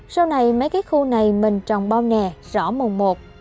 sau này mấy cái khu này mình trồng bao nè rõ mồm một